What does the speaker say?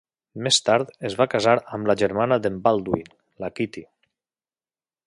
Més tard es va casar amb la germana d'en Baldwin, la Kitty.